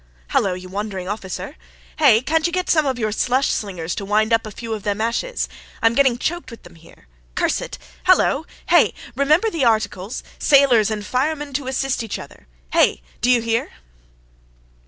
"Hallo, you wandering officer! Hey! Can't you get some of your slush slingers to wind up a few of them ashes? I am getting choked with them here. Curse it! Hallo! Hey! Remember the articles: Sailors and firemen to assist each other. Hey! D'ye hear?"